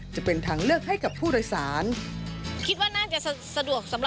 จะเป็นทางเลือกให้กับผู้โดยสาร